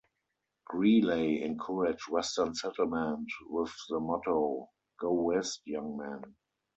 Greeley encouraged western settlement with the motto "Go West, young man".